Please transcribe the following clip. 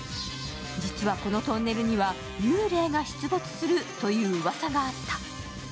実は、このトンネルには幽霊が出没するといううわさがあった。